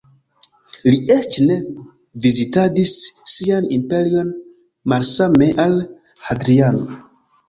Li eĉ ne vizitadis sian imperion malsame al Hadriano.